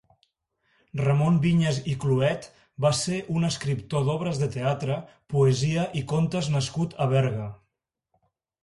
Ramon Vinyes i Cluet va ser un escriptor d'obres de teatre, poesia i contes nascut a Berga.